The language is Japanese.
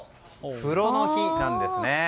風呂の日なんですね。